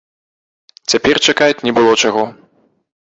Цяпер чакаць не было чаго.